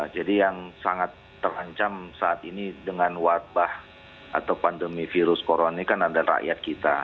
jadi yang sangat terhancam saat ini dengan wabah atau pandemi virus koroni kan ada rakyat kita